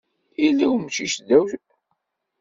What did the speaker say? Yella wemcic ddaw n urectu.